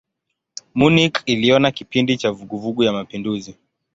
Munich iliona kipindi cha vuguvugu ya mapinduzi.